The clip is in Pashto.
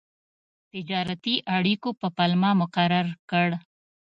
تجارتي اړیکو په پلمه مقرر کړ.